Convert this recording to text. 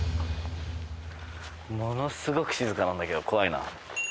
ものすごく静かなんだけど怖いな。